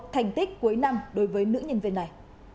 thành tích cuối năm đối với nữ nhân viên này